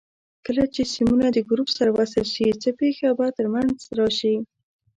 کله چې سیمونه د ګروپ سره وصل شي څه پېښه به تر منځ راشي؟